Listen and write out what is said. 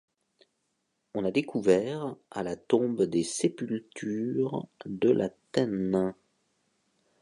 On a découvert, à La Tombe des sépultures de La Tène.